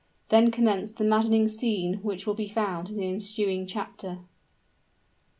Then commenced the maddening scene which will be found in the ensuing chapter.